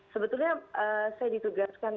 sebetulnya saya ditugaskan